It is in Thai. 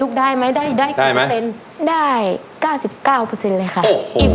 สู้ที่หนึ่ง